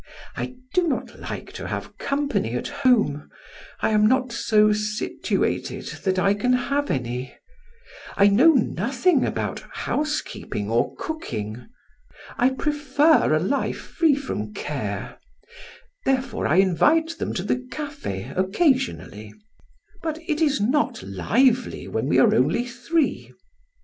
I do not like to have company at home; I am not so situated that I can have any. I know nothing about housekeeping or cooking. I prefer a life free from care; therefore I invite them to the cafe occasionally; but it is not lively when we are only three.